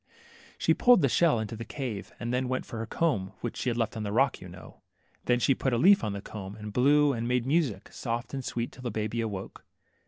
She pulled the shell into this cave, and then went for her comb which she had left on the rock, you know. Then she put a leaf on the comb, and blew, and made music, soft and sweet, till the baby awoke.